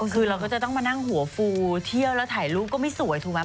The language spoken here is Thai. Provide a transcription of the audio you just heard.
คือเราก็จะต้องมานั่งหัวฟูเที่ยวแล้วถ่ายรูปก็ไม่สวยถูกไหม